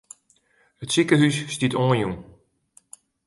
It sikehús stiet oanjûn.